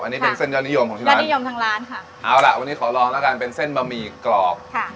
อันนี้เป็นเส้นยอดนิยมของที่ร้านยอดนิยมทางร้านค่ะเอาล่ะวันนี้ขอลองแล้วกันเป็นเส้นบะหมี่กรอบค่ะ